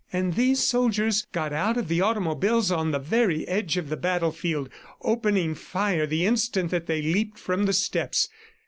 And these soldiers got out of the automobiles on the very edge of the battle field, opening fire the instant that they leaped from the steps.